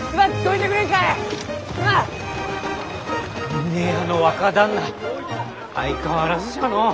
峰屋の若旦那相変わらずじゃのう。